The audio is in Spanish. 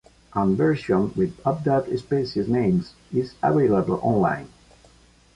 An version with updated species names is available online.